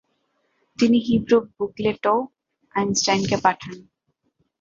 তিনি হিবুরু বুকলেটও আইনস্টাইনকে পাঠান।